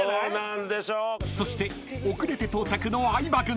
［そして遅れて到着の相葉軍。